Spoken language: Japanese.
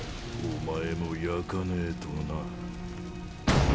お前も焼かねえとな